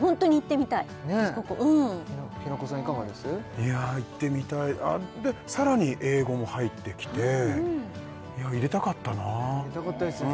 いや行ってみたいでさらに英語も入ってきていや入れたかったな入れたかったですよね